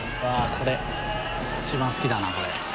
これ一番好きだなこれ。